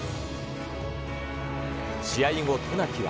試合後、渡名喜は。